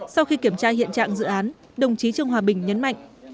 sau khi kiểm tra hiện trạng dự án đồng chí trương hòa bình nhấn mạnh